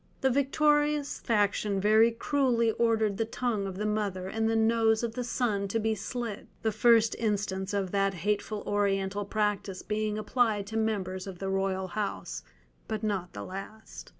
The victorious faction very cruelly ordered the tongue of the mother and the nose of the son to be slit—the first instance of that hateful Oriental practice being applied to members of the royal house, but not the last.